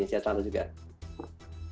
selamat menikmati sehat selalu juga